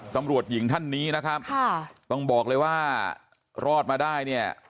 ตำรวจหญิงท่านนี้นะครับค่ะต้องบอกเลยว่ารอดมาได้เนี่ย